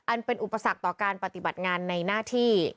เป็นอุปสรรคต่อการปฏิบัติงานในหน้าที่